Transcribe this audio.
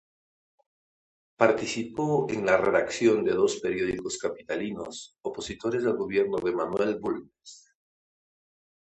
Participó en la redacción de dos periódicos capitalinos, opositores al gobierno de Manuel Bulnes.